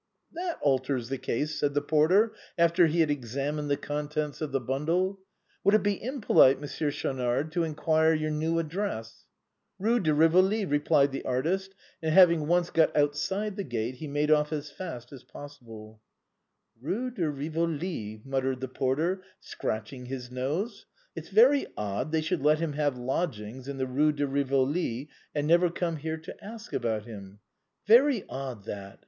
" That alters the case," said the porter, after he had examined the contents of the bundle. " Would it be im polite. Monsieur Schaunard, to inquire your new address ?"" Eue de Eivoli !" replied the artist ; and having once got outside the gate, he made off as fast as possible, " Eue de Eivoli !" muttered the porter, scratching his nose ;" it's very odd they should have let him lodgings in the Eue de Eivoli, and never even come here to ask about him. Very odd, that.